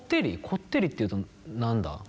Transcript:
こってりっていうと何だ？